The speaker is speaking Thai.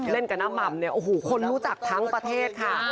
เล่นกับน้ำหม่ำเนี่ยโอ้โหคนรู้จักทั้งประเทศค่ะ